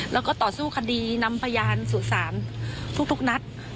แล้วก็ต่อสู้คดีนำพยานสู่ศาลทุกนัด